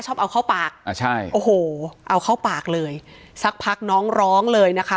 ชอบเอาเข้าปากอ่าใช่โอ้โหเอาเข้าปากเลยสักพักน้องร้องเลยนะคะ